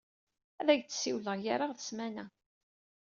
Ad ak-d-siwleɣ gar-aɣ d smana.